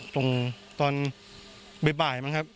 กลุ่มตัวเชียงใหม่